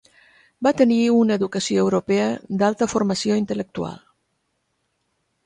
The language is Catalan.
Va tenir una educació europea d'alta formació intel·lectual.